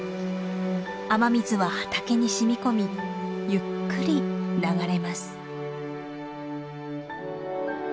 雨水は畑に染み込みゆっくり流れます。